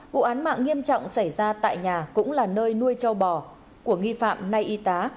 vụ án mạng nghiêm trọng xảy ra tại nhà cũng là nơi nuôi châu bò của nghi phạm nay y tá